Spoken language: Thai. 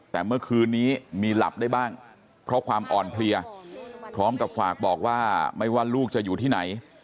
แต่เมื่อคืนนี้มีหลับได้บ้างเพราะความอ่อนเพลียพร้อมกับฝากบอกว่าไม่ว่าลูกจะอยู่ที่ไหน